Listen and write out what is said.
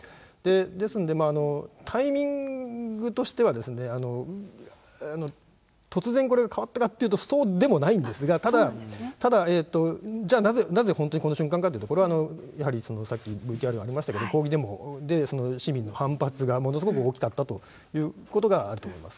ですので、タイミングとしては、突然これが変わったかというと、そうでもないんですが、ただ、じゃあ、なぜ本当にこの瞬間かというと、これはやはりさっきＶＴＲにもありましたけれども、抗議デモで、市民の反発がものすごく大きかったということがあると思います。